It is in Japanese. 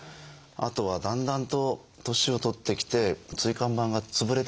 あとはだんだんと年を取ってきて椎間板が潰れてくるんですね。